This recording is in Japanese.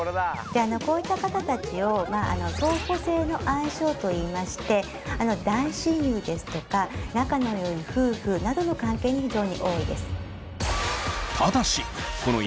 こういった方たちを相補性の相性といいまして大親友ですとか仲の良い夫婦などの関係に非常に多いです。